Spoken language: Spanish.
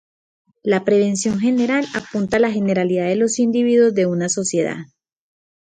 La prevención general apunta a la generalidad de los individuos de una sociedad.